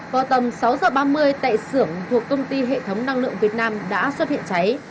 vào tầm sáu h ba mươi tại xưởng thuộc công ty hệ thống năng lượng việt nam đã xuất hiện cháy